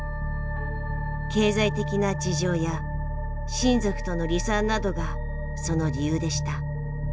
経済的な事情や親族との離散などがその理由でした。